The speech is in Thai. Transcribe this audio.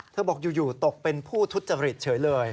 บอกอยู่ตกเป็นผู้ทุจริตเฉยเลย